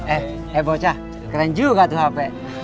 eh eh bocah keren juga tuh capek